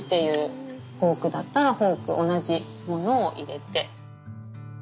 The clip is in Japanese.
フォークだったらフォーク同じものを入れて。